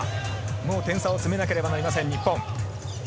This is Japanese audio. もう点差を詰めなければいけません、日本。